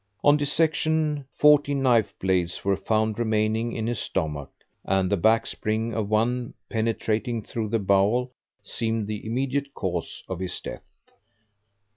On dissection, fourteen knife blades were found remaining in his stomach, and the back spring of one penetrating through the bowel, seemed the immediate cause of his death.